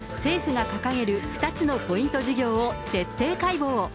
きょうのミヤネ屋は、政府が掲げる２つのポイント事業を徹底解剖。